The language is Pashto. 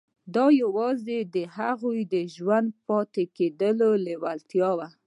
دا یوازې د هغه د ژوندي پاتې کېدو لېوالتیا وه